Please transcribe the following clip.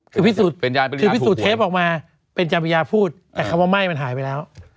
คือพิสูจน์เทปออกมาเป็นจังหวียาพูดแต่คำว่าไม่มันหายไปแล้ว